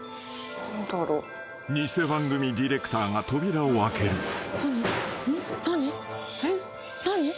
［偽番組ディレクターが扉を開ける］